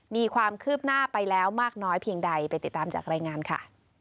มีความคืบหน้าไปแล้วมากน้อยเพียงใดไปติดตามจากรายงานค่ะ